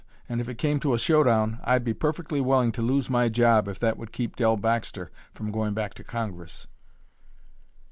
And if it came to a show down, I'd be perfectly willing to lose my job if that would keep Dell Baxter from going back to Congress."